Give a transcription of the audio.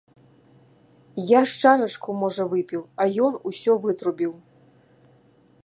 Я з чарачку, можа, выпіў, а ён усё вытрубіў.